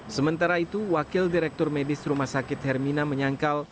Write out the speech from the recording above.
sementara itu wakil direktur medis rumah sakit hermina menyangkal